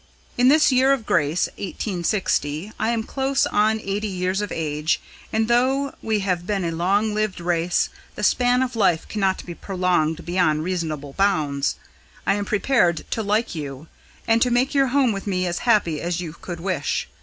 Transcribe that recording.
In this year of grace, 1860, I am close on eighty years of age, and though we have been a long lived race, the span of life cannot be prolonged beyond reasonable bounds. I am prepared to like you, and to make your home with me as happy as you could wish.